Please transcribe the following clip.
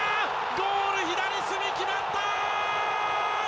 ゴール左隅、決まった！